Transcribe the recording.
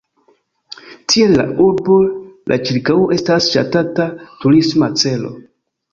Tiel la urbo, la ĉirkaŭo estas ŝatata turisma celo.